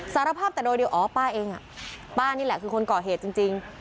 สารภาพแต่โดยเดียวอ๋อป้าเองป้านี่แหละคือคนก่อเหตุจริง